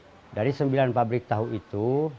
semuanya berpengaruh dengan pabrik tahu